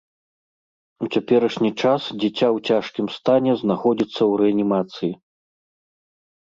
У цяперашні час дзіця ў цяжкім стане знаходзіцца ў рэанімацыі.